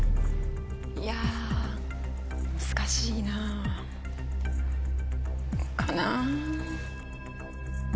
いやぁ難しいなぁ。かなぁ？